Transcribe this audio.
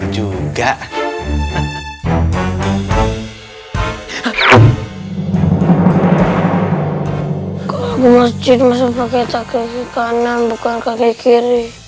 juga masjid masih pakai kaki kanan bukan kaki kiri